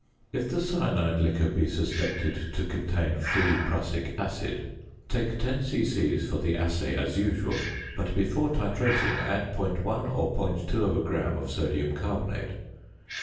If the cyanide liquor be suspected to contain free prussic acid, take 10 c.c. for the assay as usual; but, before titrating, add .1 or .2 gram of sodium carbonate.